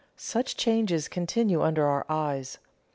Such changes continue under our eyes.